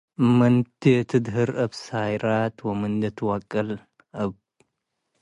ምንዲ ትድህር እብ ሳይራት ወምንዲ ትወቅል እብ